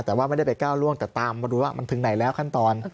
แต่ว่าไม่ได้ไปก้าวล่วงแต่ตามมาดูว่ามันถึงไหนแล้วขั้นตอน